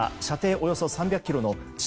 およそ３００ｋｍの地